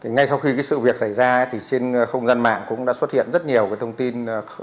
ngay sau khi sự việc xảy ra trên không gian mạng cũng đã xuất hiện rất nhiều thông tin